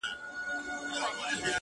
خوله يا د ولي ده، يا د ناولي.